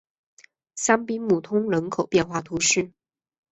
香槟穆通人口变化图示